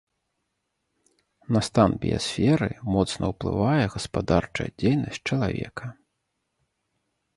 На стан біясферы моцна ўплывае гаспадарчая дзейнасць чалавека.